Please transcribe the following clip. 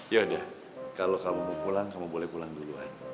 yaudah kalau kamu mau pulang kamu boleh pulang dulu ya